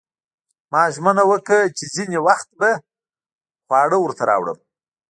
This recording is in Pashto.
ما ژمنه وکړه چې ځینې وخت به خواړه ورته راوړم